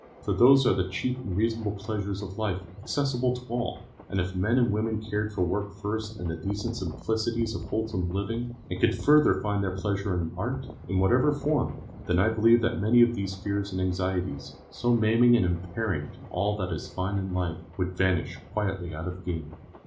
For those are the cheap and reasonable pleasures of life, accessible to all; and if men and women cared for work first and the decent simplicities of wholesome living, and could further find their pleasure in art, in whatever form, then I believe that many of these fears and anxieties, so maiming and impairing to all that is fine in life, would vanish quietly out of being.